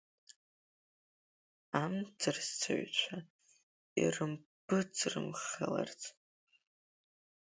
Амҵарсыҩцәа ирымпыҵрымхаларц…